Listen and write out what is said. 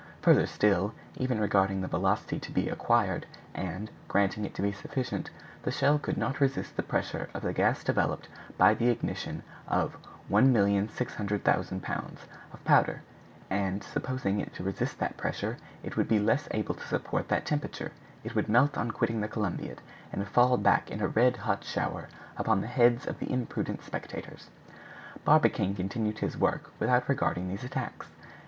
Further still, even regarding the velocity to be acquired, and granting it to be sufficient, the shell could not resist the pressure of the gas developed by the ignition of 1,600,000 pounds of powder; and supposing it to resist that pressure, it would be less able to support that temperature; it would melt on quitting the Columbiad, and fall back in a red hot shower upon the heads of the imprudent spectators. Barbicane continued his work without regarding these attacks.